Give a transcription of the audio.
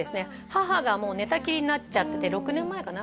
母がもう寝たきりになっちゃってて６年前かな？